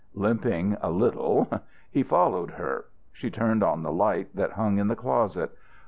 Limping a little he followed her. She turned on the light that hung in the closet.